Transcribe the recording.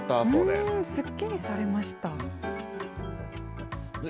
すっきりされました。